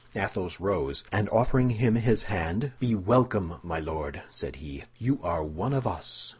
Athos rose, and offering him his hand, "Be welcome, my Lord," said he, "you are one of us."